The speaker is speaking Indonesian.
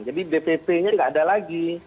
jadi dpp nya nggak ada lagi